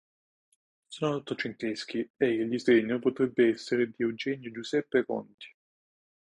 Sono ottocenteschi è il disegno potrebbe essere di Eugenio Giuseppe Conti.